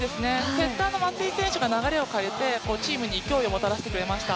セッターの松井選手が流れを変えてチームに勢いをもたらしました。